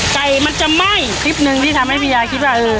ไก่มันจะไหม้คลิปหนึ่งที่ทำให้พี่ยายคิดว่าเออ